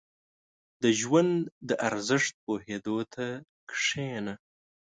• د ژوند د ارزښت پوهېدو ته کښېنه.